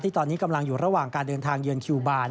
ตอนนี้กำลังอยู่ระหว่างการเดินทางเยือนคิวบาน